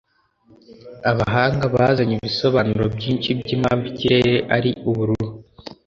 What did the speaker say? Abahanga bazanye ibisobanuro byinshi byimpamvu ikirere ari ubururu.